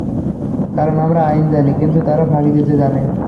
কারণ আমরা আইন জানি, কিন্তু তারা ফাঁকি দিতে জানে!